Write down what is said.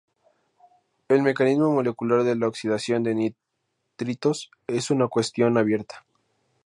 El mecanismo molecular de la oxidación de nitritos es una cuestión abierta.